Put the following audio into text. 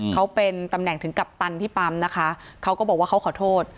เขาเป็นตำแหน่งถึงกัปตันที่ปั๊มนะคะเขาก็บอกว่าเขาขอโทษ